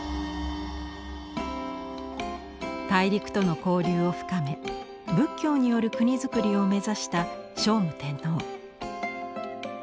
大陸との交流を深め仏教による国造りを目指した聖武天皇。